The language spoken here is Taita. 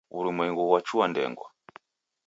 Wurumwengu ghwachua ndengwa